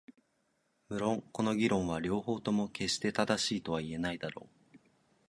無論この議論は両方とも決して正しいとは言えないだろう。